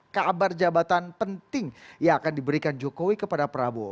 kabar jabatan penting yang akan diberikan jokowi kepada prabowo